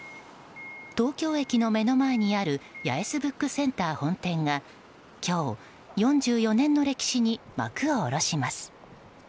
東京駅の目の前にある八重洲ブックセンター本店が今日、４４年の歴史に幕を下ろします。